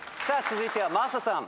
続いては真麻さん。